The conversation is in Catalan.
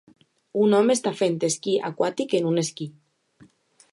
Un home està fent esquí aquàtic en un esquí.